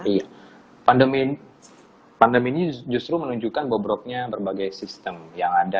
iya pandemi ini justru menunjukkan bobroknya berbagai sistem yang ada